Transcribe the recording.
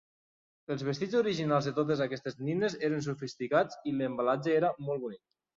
Els vestits originals de totes aquestes nines eren sofisticats i l'embalatge era molt bonic.